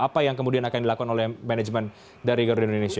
apa yang kemudian akan dilakukan oleh manajemen dari garuda indonesia